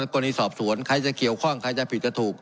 กรณีสอบสวนใครจะเกี่ยวข้องใครจะผิดจะถูก